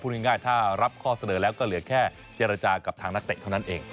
ง่ายถ้ารับข้อเสนอแล้วก็เหลือแค่เจรจากับทางนักเตะเท่านั้นเอง